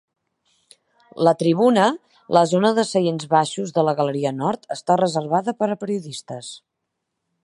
La tribuna, la zona de seients baixos de la galeria nord, està reservada per a periodistes.